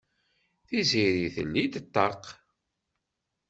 Tiziri telli-d ṭṭaq.